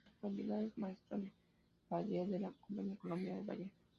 En actualidad es maestro de ballet de la Compañía Colombiana de Ballet.